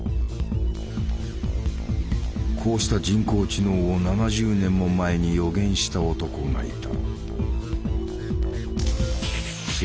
こうした人工知能を７０年も前に予言した男がいた。